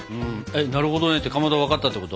「なるほどね」ってかまどは分かったってこと？